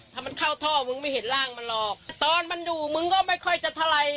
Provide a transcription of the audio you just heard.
ถ้ามันเข้าท่อมึงไม่เห็นร่างมันหรอกตอนมันอยู่มึงก็ไม่ค่อยจะเท่าไร